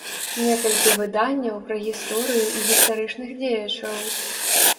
Некалькі выданняў пра гісторыю і гістарычных дзеячаў.